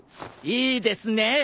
いいですね？